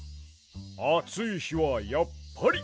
あついひはやっぱりこれ！